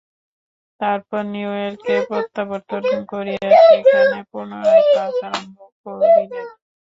তারপর নিউ ইয়র্কে প্রত্যাবর্তন করিয়া সেখানে পুনরায় ক্লাস আরম্ভ করিলেন।